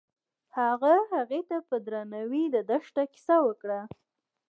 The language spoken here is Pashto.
هغه هغې ته په درناوي د دښته کیسه هم وکړه.